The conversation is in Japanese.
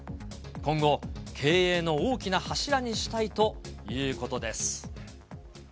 今後、経営の大きな柱にしたいということです。